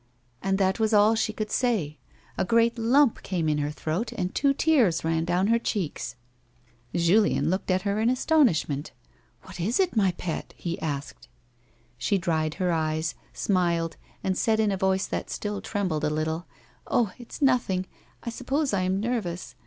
" and that was all she could say ; a great lump came in her throat and two tears ran down her cheeks. Julien looked at her in astonishment. " What is it, my pet ?" he asked. She dried her eyes, smiled, and said in a voice that still trembled a little :" Oh, it's nothing, I suppose I am nervous.